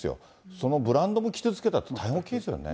そのブランドも傷つけたって、大変大きいですよね。